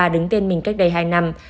đứng tên mình cách đây hai năm